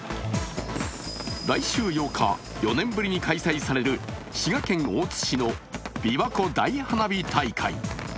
来週８日、４年ぶりに開催される滋賀県大津市のびわ湖大花火大会。